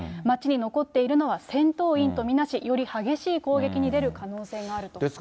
町に残っているのは、戦闘員と見なし、より激しい攻撃に出る可能性があると。